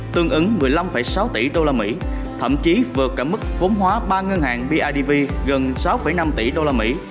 tương ứng một mươi năm sáu tỷ đô la mỹ thậm chí vượt cả mức vốn hóa ba ngân hàng bidv gần sáu năm tỷ đô la mỹ